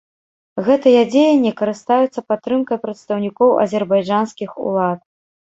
Гэтыя дзеянні карыстаюцца падтрымкай прадстаўнікоў азербайджанскіх улад.